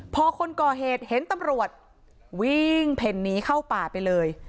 พอคนก่อเหตุเห็นตำรวจวิ่งเพ่นหนีเข้าป่าไปเลย